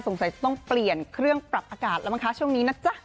จะต้องเปลี่ยนเครื่องปรับอากาศแล้วมั้งคะช่วงนี้นะจ๊ะ